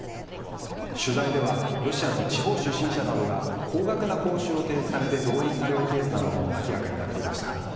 取材では、ロシアの地方出身者などが高額な報酬を提示されて動員されるケースなども明らかになっていました。